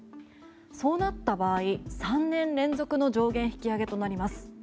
そうなった場合、３年連続の上限引き上げとなります。